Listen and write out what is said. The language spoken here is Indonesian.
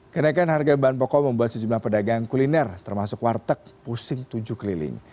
kenaikan harga bahan pokok membuat sejumlah pedagang kuliner termasuk warteg pusing tujuh keliling